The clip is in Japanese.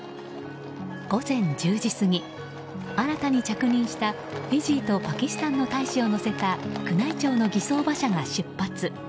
午前１０時過ぎ新たに着任したフィジーとパキスタンの大使を乗せた宮内庁の偽装馬車が出発。